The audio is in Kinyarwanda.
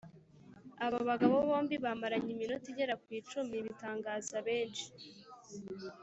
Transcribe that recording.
abo bagabo bombi bamaranye iminota igera ku icumi, bitangaza benshi.